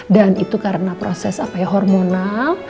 dan itu karena proses apa ya hormonal